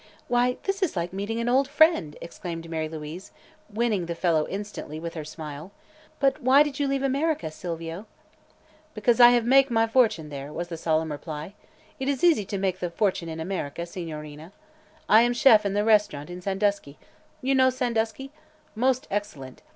"Why, this is like meeting an old friend!" exclaimed Mary Louise, winning the fellow instantly with her smile. "But why did you leave America, Silvio?" "Because I have make my fortune there," was the solemn reply. "It is easy to make the fortune in America, Signorina. I am chef in the restaurant in Sandusky you know Sandusky? most excellent!